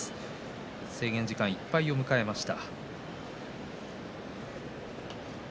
制限時間いっぱいを迎えました。